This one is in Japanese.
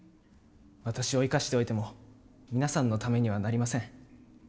私を生かしておいても皆さんのためにはなりません。